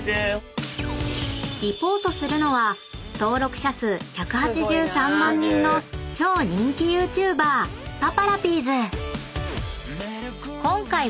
［リポートするのは登録者数１８３万人の超人気ＹｏｕＴｕｂｅｒパパラピーズ］